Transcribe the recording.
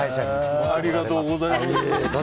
ありがとうございます。